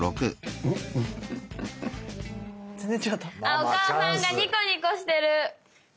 あお母さんがニコニコしてる。